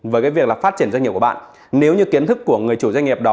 với cái việc là phát triển doanh nghiệp của bạn nếu như kiến thức của người chủ doanh nghiệp đó